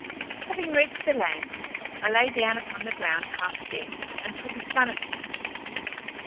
Having reached the land, I lay down upon the ground half dead, until the sun appeared.